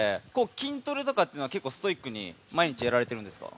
筋トレとかは結構ストイックに毎日やられてるんですか？